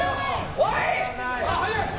おい！